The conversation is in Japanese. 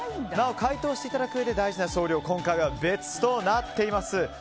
なお回答していただくうえで大事な送料は今回は別となっています。